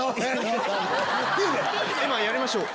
今やりましょう！